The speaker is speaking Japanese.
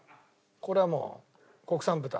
これはもう国産豚。